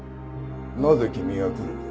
なぜ君が来るんだ？